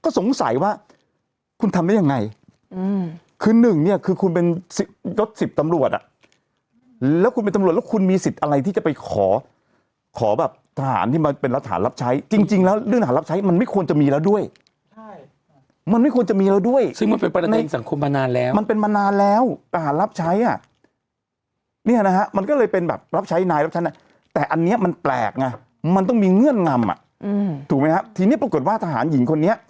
ก็สงสัยว่าคุณทำได้ยังไงอืมคือหนึ่งเนี่ยคือคุณเป็นสิบรถสิบตำรวจอ่ะแล้วคุณเป็นตำรวจแล้วคุณมีสิทธิ์อะไรที่จะไปขอขอแบบทหารที่มาเป็นรับทหารรับใช้จริงจริงแล้วเรื่องรับใช้มันไม่ควรจะมีแล้วด้วยใช่มันไม่ควรจะมีแล้วด้วยซึ่งมันเป็นประเด็นสังคมมานานแล้วมันเป็น